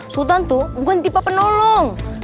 sultan tuh bukan tipe penolong